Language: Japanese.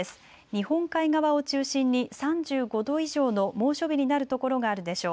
日本海側を中心に３５度以上の猛暑日になるところがあるでしょう。